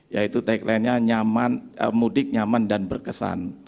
yaitu taglinenya mudik nyaman dan berkesan